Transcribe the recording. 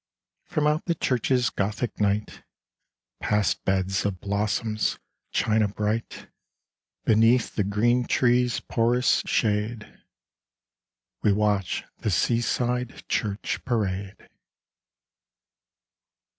From out the Church's Gothic night, Past beds of blossoms china bright. Beneath the green trees' porous shade. We watch the sea side Church Parade.